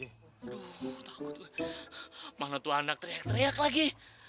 aduh takut mana tuh anak teriak teriak lagi